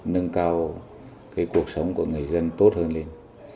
nâng cao cái cuộc sống của người dân tốt hơn lên